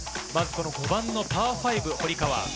５番のパー５、堀川。